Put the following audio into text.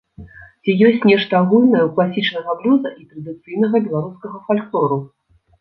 Ці ёсць нешта агульнае ў класічнага блюза і традыцыйнага беларускага фальклору?